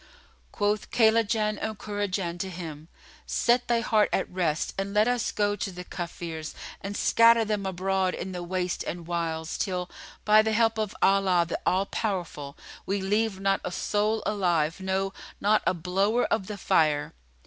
Quoth Kaylajan and Kurajan to him, "Set thy heart at rest and let us go to the Kafirs and scatter them abroad in the wastes and wilds till, by the help of Allah, the All powerful, we leave not a soul alive, no, not a blower of the fire."